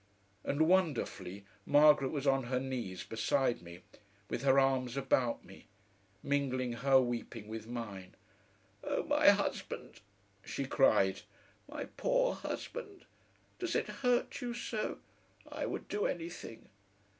And wonderfully, Margaret was on her knees beside me, with her arms about me, mingling her weeping with mine. "Oh, my Husband!" she cried, "my poor Husband! Does it hurt you so? I would do anything!